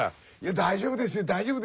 大丈夫ですよ。